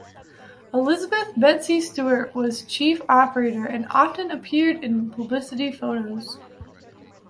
Elizabeth "Betsy" Stewart was chief operator, and often appeared in publicity photos.